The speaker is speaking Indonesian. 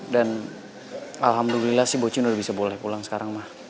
dan alhamdulillah sih bu cin udah bisa boleh pulang sekarang ma